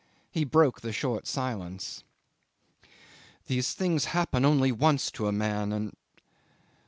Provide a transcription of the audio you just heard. He broke the short silence. '"These things happen only once to a man and